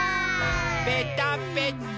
ぺたぺた。